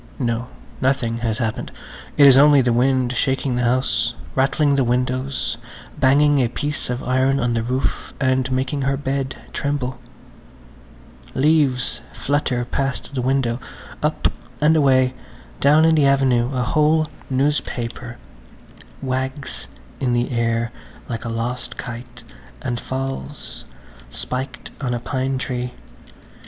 No–nothing has happened. It is only the wind shaking the house, rattling the windows, banging a piece of iron on the roof and making her bed tremble. Leaves flutter past the window, up and away; down in the avenue a whole newspaper wags in the air like a lost kite and falls, spiked on a pine tree.